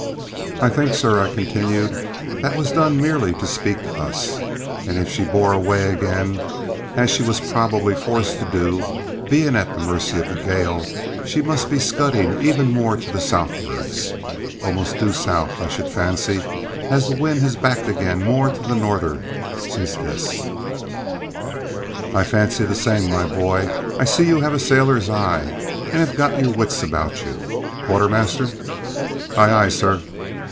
"I think, sir," I continued, "that was done merely to speak us; and if she bore away again, as she was probably forced to do, being at the mercy of the gale, she must be scudding even more to the southwards, almost due south, I should fancy, as the wind has backed again more to the nor'ard since this." "I fancy the same, my boy. I see you have a sailor's eye and have got your wits about you. Quartermaster?" "Aye, aye, sir?"